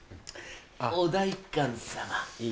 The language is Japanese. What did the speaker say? お代官様。